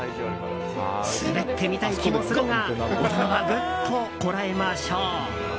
滑ってみたい気もするが大人はぐっとこらえましょう。